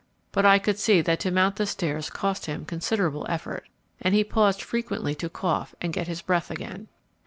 But I could see that to mount the stairs cost him considerable effort, and he paused frequently to cough and get his breath again.